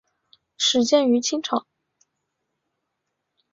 始建于清朝。